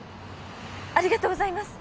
ありがとうございます。